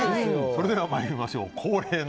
それでは、参りましょう。